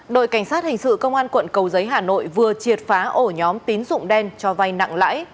đội cảnh sát hình sự công an quận cầu giấy hà nội vừa triệt phá ổ nhóm tín dụng đen cho vay nặng lãi